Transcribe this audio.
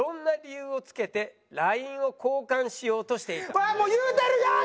うわもう言うてるやん！